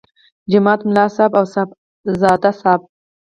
د جومات ملا صاحب او صاحبزاده صاحب.